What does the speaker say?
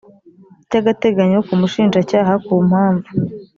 by agateganyo k umushinjacyaha ku mpamvu